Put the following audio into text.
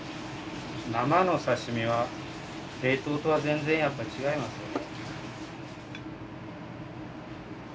生の刺身は冷凍とは全然やっぱり違いますよね。